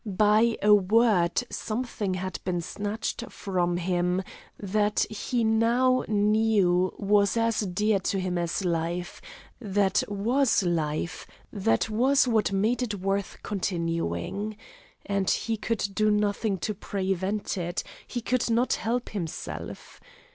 By a word something had been snatched from him that he now knew was as dear to him as life, that was life, that was what made it worth continuing. And he could do nothing to prevent it; he could not help himself.